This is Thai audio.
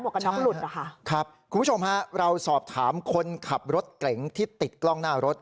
กระน็อกหลุดนะคะครับคุณผู้ชมฮะเราสอบถามคนขับรถเก๋งที่ติดกล้องหน้ารถ